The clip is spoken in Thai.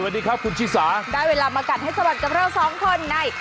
สวัสดีครับคุณชิสาได้เวลามากัดให้สะบัดกับเราสองคนใน